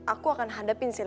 aku akan hadapin si lady